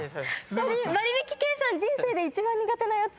割引計算人生で一番苦手なやつ。